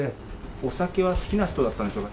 お酒は好きな人だったんでしょうか？